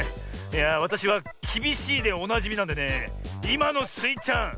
いやあわたしはきびしいでおなじみなんでねいまのスイちゃん